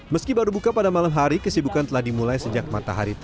meski baru buka pada malam hari kesibukan telah dimulai sejak matahari